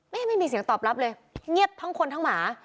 ไม่มีเสียงตอบรับเลยเงียบทั้งคนทั้งหมา